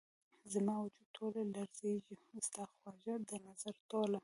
زما وجود ټوله لرزیږې ،ستا خواږه ، دنظر ټوله